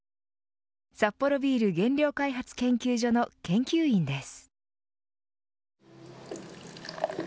サッポロビール原料開発研究所の研究員です。